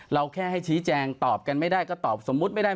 แค่ให้ชี้แจงตอบกันไม่ได้ก็ตอบสมมุติไม่ได้